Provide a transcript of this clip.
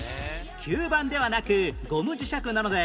吸盤ではなくゴム磁石なので